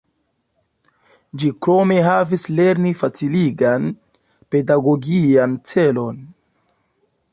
Ĝi krome havis lern-faciligan, pedagogian celon.